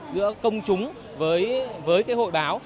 giữa công chúng với hội báo